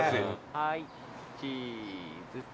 はいチーズ。